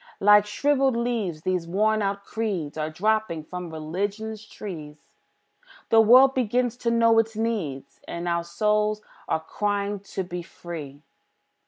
Like shrivelled leaves, these worn out creeds Are dropping from Religion's tree; The world begins to know its needs, And souls are crying to be free.